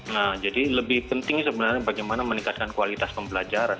nah jadi lebih penting sebenarnya bagaimana meningkatkan kualitas pembelajaran